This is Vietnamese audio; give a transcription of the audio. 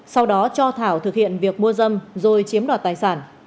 sau đó cho thảo thực hiện việc mua dâm rồi chiếm đoạt tài sản